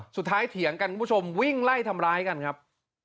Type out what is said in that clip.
เถียงกันคุณผู้ชมวิ่งไล่ทำร้ายกันครับ